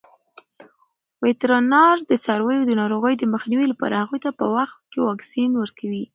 وترنران د څارویو د ناروغیو د مخنیوي لپاره هغوی ته په وخت واکسین ورکوي.